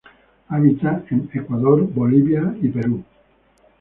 Habita en Ecuador, Bolivia y Perú.